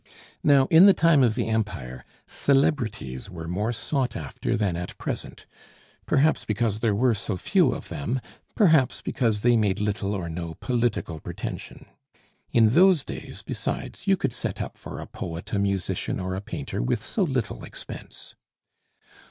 Now, in the time of the Empire, celebrities were more sought after than at present, perhaps because there were so few of them, perhaps because they made little or no political pretension. In those days, besides, you could set up for a poet, a musician, or a painter, with so little expense.